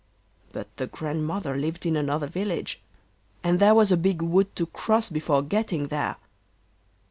But the Grandmother lived in another village, and there was a big wood to cross before getting there.